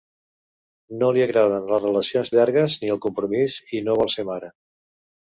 No li agraden les relacions llargues ni el compromís i no vol ser mare.